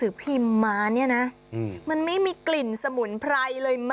เอ้าตาโดนหลอกเลย